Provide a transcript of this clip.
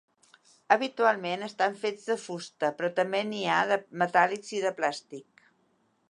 Habitualment estan fets de fusta, però també n'hi ha de metàl·lics i de plàstic.